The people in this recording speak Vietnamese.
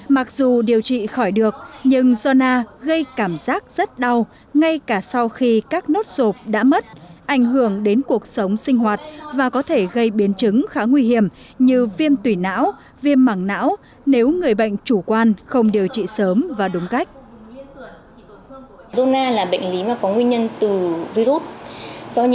mặc dù điều trị khỏi được nhưng zona gây cảm giác rất đau ngay cả sau khi các nốt rộp đã mất ảnh hưởng đến cuộc sống sinh hoạt và có thể gây biến chứng khá nguy hiểm như viêm tủy não viêm mẳng não nếu người bệnh chủ quan không điều trị sớm và đúng cách